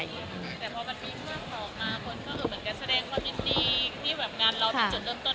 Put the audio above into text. แต่พอมันมีเรื่องออกมาคนก็คือเหมือนกันแสดงความยินดีที่แบบงานเราเป็นจุดเริ่มต้น